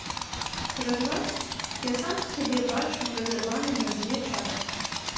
Цераз вас я сам сябе бачу разарваным на дзве часткі!